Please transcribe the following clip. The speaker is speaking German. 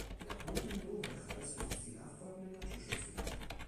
Der Hohenlohekreis besitzt die nachfolgenden Naturschutzgebiete.